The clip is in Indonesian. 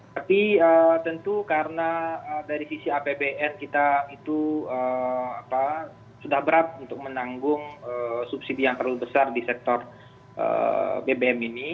tapi tentu karena dari sisi apbn kita itu sudah berat untuk menanggung subsidi yang terlalu besar di sektor bbm ini